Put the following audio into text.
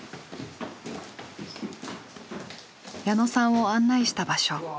矢野さんを案内した場所。